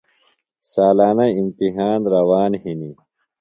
سالانہ اِمتحان روان ہِنیۡ۔